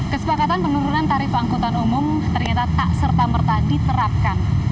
kesepakatan penurunan tarif angkutan umum ternyata tak serta merta diterapkan